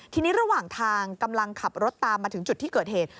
ทีนี้ระหว่างทางกำลังขับรถตามมาถึงจุดที่เกิดเหตุ